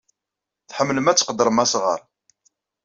Tḥemmlem ad tqeddrem asɣar.